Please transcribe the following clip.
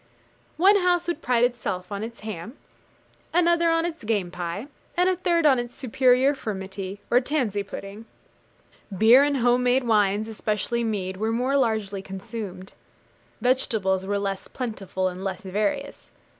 One house would pride itself on its ham, another on its game pie, and a third on its superior furmity, or tansey pudding. Beer and home made wines, especially mead, were more largely consumed. Vegetables were less plentiful and less various.